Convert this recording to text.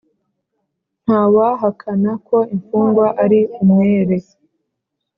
ntawahakana ko imfungwa ari umwere.